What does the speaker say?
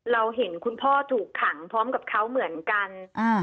เราเห็นคุณพ่อถูกขังพร้อมกับเขาเหมือนกัน